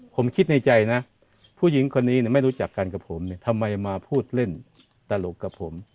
ผมคิดในใจนะผู้หญิงคนนี้ไม่รู้จักกันกับผมเนี่ยทำไมมาพูดเล่นตลกกับผม